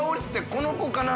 この子かな？